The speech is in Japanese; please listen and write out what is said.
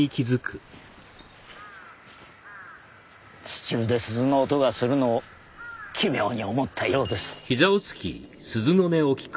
地中で鈴の音がするのを奇妙に思ったようです。